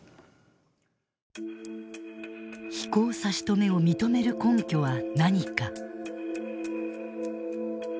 飛行差し止めを認める根拠は何か。